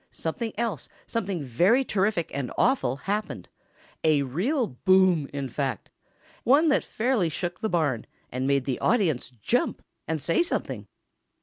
something else, something very terrific and awful, happened: a real BOOM in fact—one that fairly shook the barn, and made the audience jump and say something.